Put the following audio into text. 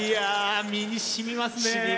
身にしみますね。